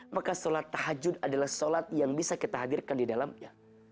maka sholat tahajud adalah sholat yang bisa kita hadirkan di dalamnya